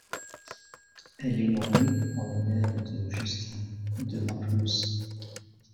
Elle est nommée en l'honneur de Justin de Naplouse.